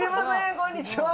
こんにちは